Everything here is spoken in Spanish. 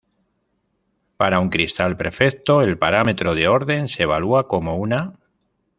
Para un cristal perfecto, el parámetro de orden se evalúa como una.